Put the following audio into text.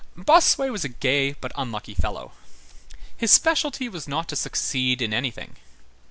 Bossuet was a gay but unlucky fellow. His specialty was not to succeed in anything.